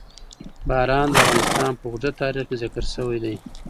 باران د افغانستان په اوږده تاریخ کې ذکر شوي دي.